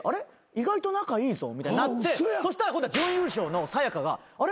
意外と仲いいぞみたいになってそしたら今度は準優勝のさや香があれ？